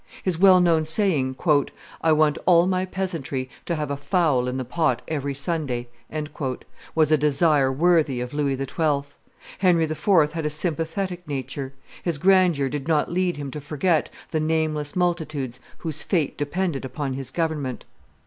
His well known saying, "I want all my peasantry to have a fowl in the pot every Sunday," was a desire worthy of Louis XII. Henry IV. had a sympathetic nature; his grandeur did not lead him to forget the nameless multitudes whose fate depended upon his government.